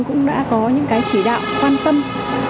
cũng đã có những cái chỉ đạo